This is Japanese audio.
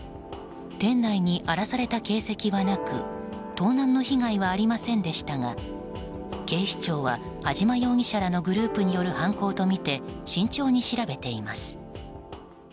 店内に荒らされた形跡はなく盗難の被害はありませんでしたが警視庁は安島容疑者らのグループによる犯行とみて慎重に調べています。